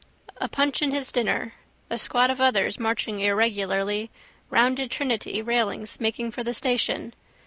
A punch in his dinner. A squad of others, marching irregularly, rounded Trinity railings making for the station.